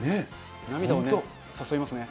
涙を誘いますね。